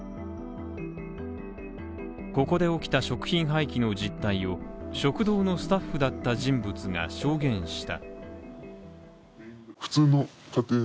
ここで起きた食品廃棄の実態を食堂のスタッフだった人物が証言した。